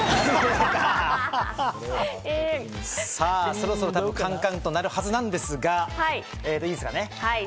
そろそろ、カンカン！と鳴るはずなんですが、いいですかね？